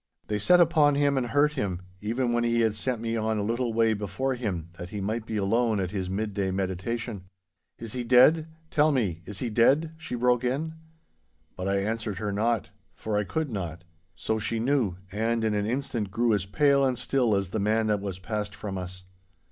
'They set upon him and hurt him, even when he had sent me on a little way before him that he might be alone at his mid day meditation—' 'Is he dead—tell me—is he dead?' she broke in. But I answered her not; for I could not. So she knew, and in an instant grew as pale and still as the man that was passed from us.